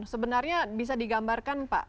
sebenarnya bisa digambarkan pak